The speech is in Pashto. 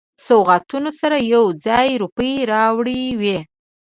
سوغاتونو سره یو ځای روپۍ راوړي وې.